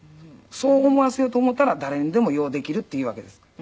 「そう思わせようと思ったら誰にでもようできる」っていうわけです。